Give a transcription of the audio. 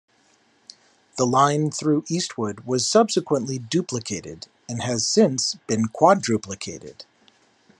The line through Eastwood was subsequently duplicated and has since been quadruplicated.